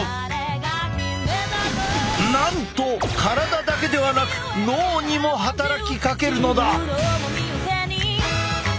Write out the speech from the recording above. なんと体だけではなく脳にも働きかけるのだ。